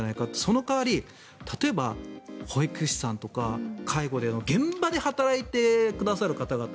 その代わり例えば保育士さんとか介護など現場で働いてくださる方々